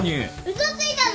嘘ついたな！